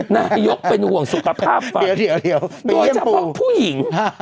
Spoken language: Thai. นายกเป็นห่วงสุขภาพฟังโดยเฉพาะผู้หญิง